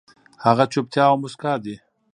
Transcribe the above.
هغه چوپتيا او موسکا دي